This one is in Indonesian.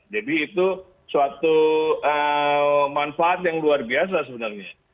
jadi itu suatu manfaat yang luar biasa sebenarnya